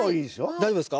大丈夫ですか？